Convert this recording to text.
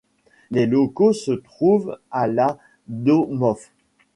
Les locaux se trouvent à la Domhof.